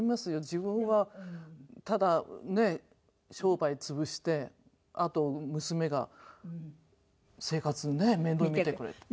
自分はただね商売潰してあと娘が生活をね面倒見てくれて。